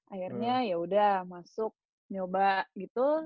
akhirnya ya udah masuk nyoba gitu